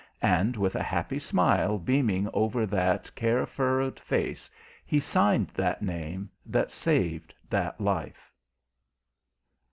And with a happy smile beaming over that care furrowed face, he signed that name that saved that life.